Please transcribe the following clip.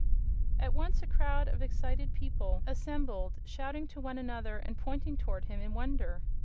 At once a crowd of excited people assembled, shouting to one another and pointing towards him in wonder.